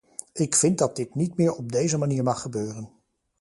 Ik vind dat dit niet meer op deze manier mag gebeuren.